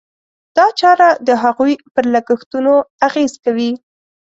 دا چاره د هغوی پر لګښتونو اغېز کوي.